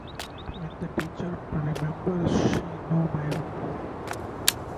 When the teacher remembers, she knows my room.